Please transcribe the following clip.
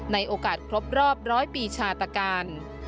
ในโอกาสครบรอบร้อยปีชาตการ